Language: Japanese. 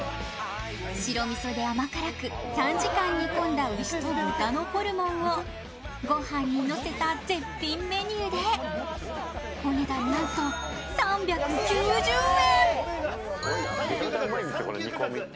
白みそで甘辛く３時間煮込んだ牛と豚のホルモンをごはんにのせた絶品メニューでお値段、なんと３９０円。